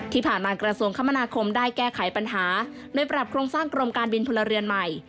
ที่ผ่านมากราชวงษ์คมนาคมได้แก้ไขปัญหาโน้ยปรับครงสร้างกรมการบินพลเรือนใหม่